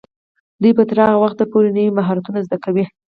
دوی به تر هغه وخته پورې نوي مهارتونه زده کوي.